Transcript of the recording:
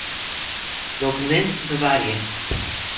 Dokumint bewarje.